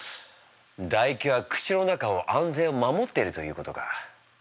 だ液は口の中を安全を守っているということか。